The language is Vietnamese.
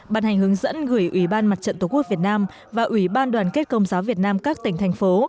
bàn hành hướng dẫn gửi ủy ban mặt trận tổ quốc việt nam và ủy ban đoàn kết công giáo việt nam các tỉnh thành phố